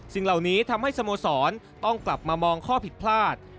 สิ่งเหล่านี้ทำให้สโมสรต้องกลับมามองข้อผิดพลาด